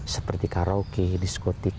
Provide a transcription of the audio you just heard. seperti karaoke diskotik